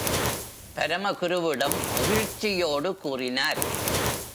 பரமகுருவிடம் மகிழ்ச்சியோடு கூறினார்.